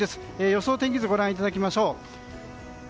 予想天気図ご覧いただきましょう。